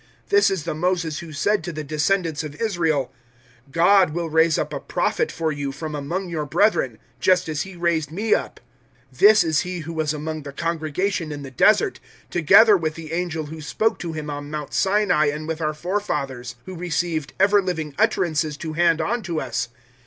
007:037 This is the Moses who said to the descendants of Israel, "`God will raise up a Prophet for you, from among your brethren, just as He raised me up.' 007:038 `This is he who was among the Congregation in the Desert, together with the angel who spoke to him on Mount Sinai and with our forefathers, who received ever living utterances to hand on to us.